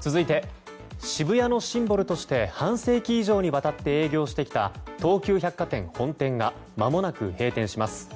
続いて渋谷のシンボルとして半世紀以上にわたって営業してきた東急百貨店本店がまもなく閉店します。